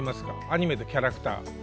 アニメのキャラクター。